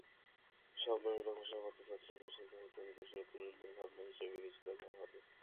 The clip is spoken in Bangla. সম্মেলনের ঘোষণাপত্র জাতিসংঘের সাধারণ অধিবেশনেও তরুণদের ভাবনা হিসেবে বিবেচনায় নেওয়া হবে।